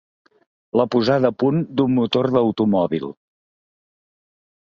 La posada al punt d'un motor d'automòbil.